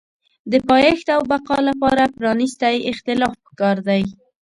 د پایښت او بقا لپاره پرانیستی اختلاف پکار دی.